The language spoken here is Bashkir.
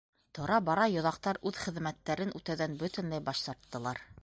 Тора-бара йоҙаҡтар үҙ хеҙмәттәрен үтәүҙән бөтөнләй баш тарттылар.